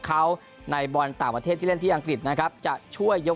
เขาในบอลต่างประเทศที่เล่นที่อังกฤษนะครับจะช่วยยก